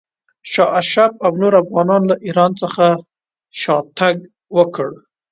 شاه اشرف او نورو افغانانو له ایران څخه شاته تګ وکړ.